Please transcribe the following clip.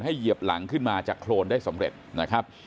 เหยียบหลังขึ้นมาจากโครนได้สำเร็จนะครับ